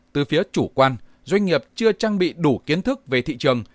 từ phía chủ quan doanh nghiệp chưa trang bị đủ kiến thức về thị trường